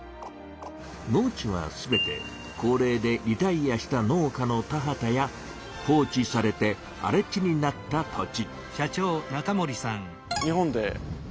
農地は全て高齢でリタイアした農家の田畑や放置されてあれ地になった土地。